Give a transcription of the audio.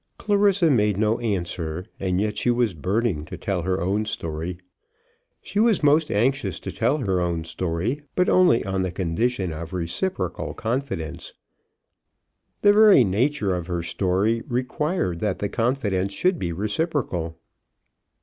Clarissa made no answer, and yet she was burning to tell her own story. She was most anxious to tell her own story, but only on the condition of reciprocal confidence. The very nature of her story required that the confidence should be reciprocal.